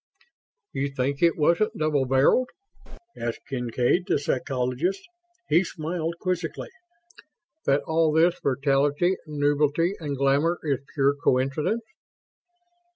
"You think it wasn't double barreled?" asked Kincaid, the psychologist. He smiled quizzically. "That all this virility and nubility and glamor is pure coincidence?"